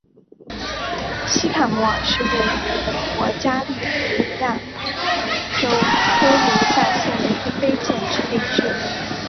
西卡莫尔是位于美国加利福尼亚州科卢萨县的一个非建制地区。